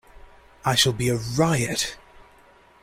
I shall be a riot.